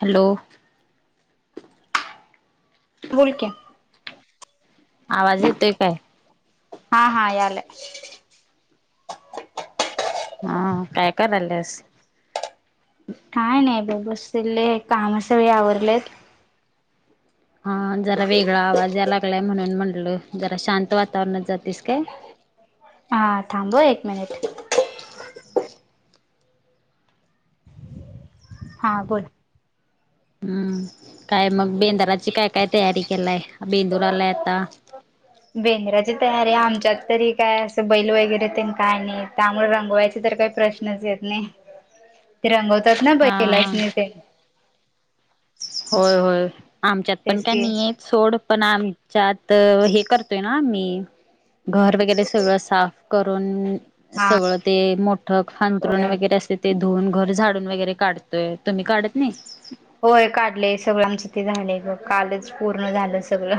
Hello. बोल की. आवाज येतोय काय? हा हा यालाय. हा काय करालायेस. काय नाही ब बसलेले काम सगळी आवरलेत. हा जरा वेगळा आवाज या लागलाय म्हणून म्हटलं जरा शांत वातावरणात जातेस काय. हा थांब एक मिनिट. [inaudible] हा बोल. हम्म काय मग बेंदाराची काय काय तयारी केलाय बेंदूर आलाय आता. बेंद्राची तयारी आमच्यात तरी काय असं बैल वगैरे तेन काय नाही. त्यामुळे रंगवायचे तर काही प्रश्नच येत नाही ते रंगवतात ना हा हा बैलासनी ते. होय होय आमच्यात पण तेच का की नी येत. सोड पण आमच्यात हे करतोय ना आम्ही घर वगैरे सगळं साफ करून हा सगळं ते मोठं हांतरून वगैरे अस ते धुऊन घर झाडून वगैरे काढतोय तुम्ही काढत नाही. होय काढलय सगळं आमच ते झालेय बग कालच पूर्ण झालं सगळ.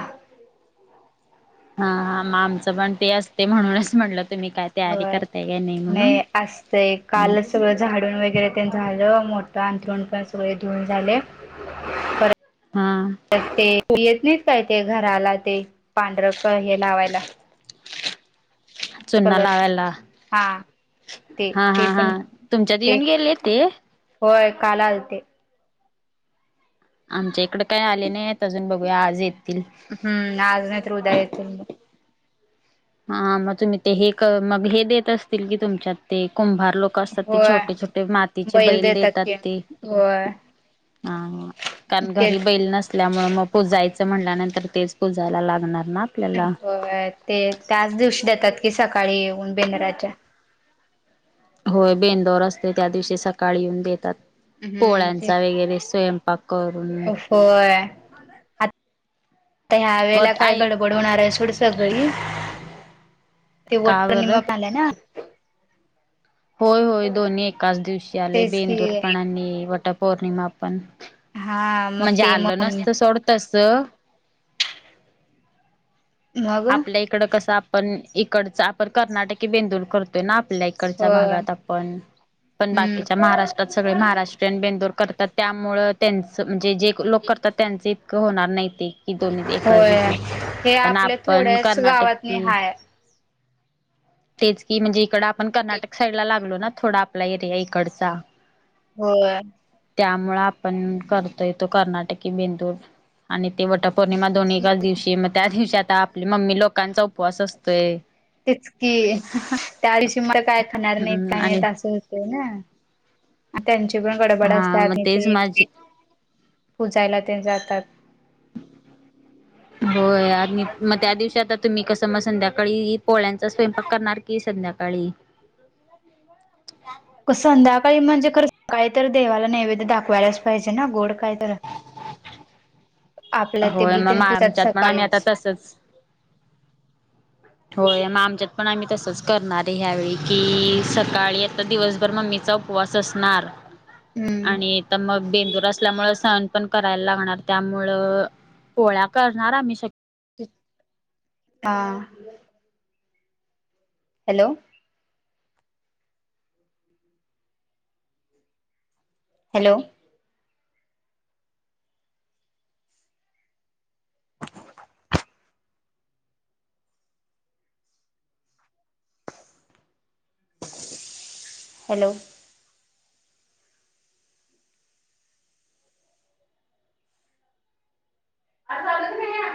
हा हा आमचं पण ते असते म्हणूनच म्हटलं तुम्ही काय तयारी होय करताय काय म्हणून नाही असतय कालच सगळ झाडून वगैरे ते झालं मोठं अंथरुण पण सगळे धुऊून झाले [unintelligible] पर हा. ते तु येत नाहीस काय ते घराला, ते पांढर क हे लावायला. चुन्ना कलर लावायला हा. ते हा ते हा पण हा तुमच्यात ते येऊन गेले ते होय, काल आलते. आमच्या इकडे काय आले नाहीयेत अजून, बघूया आज येतील. हुं. आज नाहीतर, उद्या येतील बग. हा मग तुम्ही ते हे मग हे देत असतील की, तुमच्यात ते कुंभार लोक कस ते होय छोटे छोटे मातीचे बैल देतात ते. हा हा. कारण ते घरी बैल नस ल्यामुळे, मग पूजायचं म्हटल्यानंतर, तेच पुजायला लागणार ना. आपल्याला होय ते त्याच दिवशी देतात की, सकाळी येऊन बेंद्राच्या होय बेंदोर असतोय् त्या दिवशी सकाळी येऊन देतात. हम्म पोळ्यांचा वगैरे स्वयं पाक करून. ह होय आता ह्या वेळेला वट काय आय गड बड होणार हाय सोड सगळी, ते का बरं? वटपौर्णिमा पन आलिया ना? होय होय दोन्ही एकाच दिवशी आले. तेच बेंदूर की पण आणि वटपौर्णिमा पण हा. मग म्हणजे ते आलं मग नसत सोड तस मग आपल्या इकड कसं? आपण इकडच आपण कर्नाटकी बेंदूर करतोय ना, आपल्या इकडे. इकडच्या होय भागात आपण पण, बाकीच्या हम्म महाराष्ट्रात सगळे महाराष्ट्र बेंदूर करतात, त्यामुळं त्यांच म्हणजे जे लोक करतात, त्यांच इतकं होणार नाही ते. कि दोन्ही बी एकाच होय दिवशी, हे पण आपल्या आपण थोड्याच गावातनी कर्नाटकी हाय तेच की म्हणजे इकड आपण कर्नाटक साईड ला लागलो ना थोडा आपला एरिया इकडचा. व्हय. त्यामुळे आपण करतोय तो कर्नाटकी बेंदूर आणि ते वट पौर्णिमा दोन् एकाच दिवशी, मग त्या दिवशी आता आपली मम्मी लोकांचा उपवास असतोय. तेच कि, त्या दिवशी म काय खाणार नाहीत हम्म काय नाही आणि असं. होय ना, त्यांची पण गडबड हा असत्या मग आणि तेच ते माझी पुजायला तेन जातात. होय आज मी, मग त्या दिवशी आता तुम्ही कसं मग संध्याकाळी पोळ्यांचा स्वयंपाक करणार की संध्याकाळी? संध्याकाळी म्हणजे खरं सकाळी तर देवाला नैवेद्य दाखवायलाच पाहिजे ना गोड काय तर आपला ते होय मग बिलतेन पुसात आमच्यात पण आम्ही आता सकाळीच तसच. होय म आमच्यात पण आम्ही तसंच. करणार ए ह्यावेळी कि, सकाळी आता दिवसभर मम्मीचा उपवास असणार हम्म आणि तर मग बेंदुर अस ल्यामुळ सण पण करायला लागणार, त्यामुळे पोळ्या करणार आम्ही शक्य हा. हॅलो. हॅलो. हॅलो. हा झाल का नाही? हा.